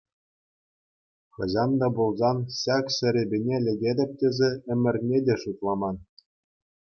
Хӑҫан та пулсан ҫак серепене лекетӗп тесе ӗмӗрне те шутламан.